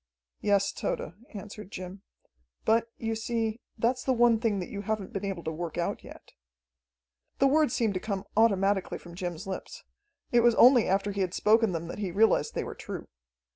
"Yes, Tode," answered Jim, "but, you see, that's the one thing that you haven't been able to work out yet." The words seemed to come automatically from Jim's lips. It was only after he had spoken them that he realized they were true.